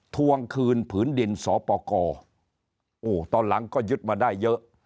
ทวงคืนผืนดินสอปกรโอ้ตอนหลังก็ยึดมาได้เยอะ